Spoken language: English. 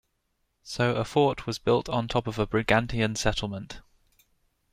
So a fort was built on top of a Brigantian settlement.